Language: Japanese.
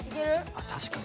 あ確かに。